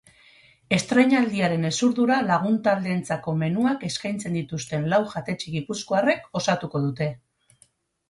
Estreinaldiaren hezurdura lagun-taldeentzako menuak eskaintzen dituzten lau jatetxe gipuzkoarrek osatuko dute.